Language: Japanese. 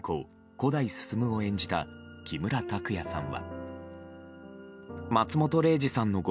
・古代進を演じた木村拓哉さんは。